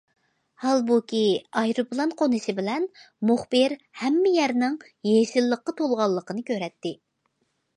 ھالبۇكى ئايروپىلان قونۇشى بىلەن مۇخبىر ھەممە يەرنىڭ يېشىللىققا تولغانلىقىنى كۆرەتتى.